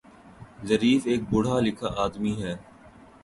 Zarif ایک پڑھا لکھا آدمی ہے